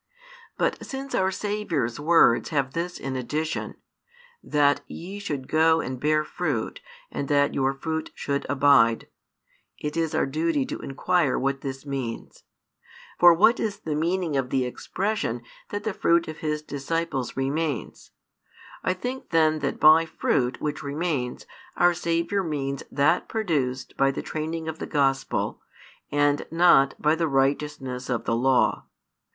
But since our Saviour's words have this addition, that ye should go and bear fruit and that your fruit should abide, it is our duty to inquire what this means. For what is the meaning of the expression that the fruit of His disciples remains? I think then that by fruit which remains our Saviour means that produced by the training of the Gospel and not by the righteousness of the Law.